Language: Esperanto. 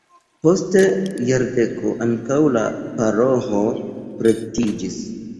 Post jardeko ankaŭ la paroĥo pretiĝis.